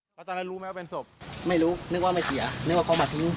พระอาจารย์รู้ไหมว่าเป็นศพไม่รู้นึกว่าไม่เสียนึกว่าก็มาทิ้ง